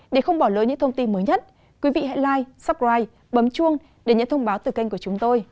để không bỏ lỡ những thông tin mới nhất quý vị hãy live supprite bấm chuông để nhận thông báo từ kênh của chúng tôi